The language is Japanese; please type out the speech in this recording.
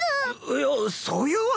いやそういうわけじゃ。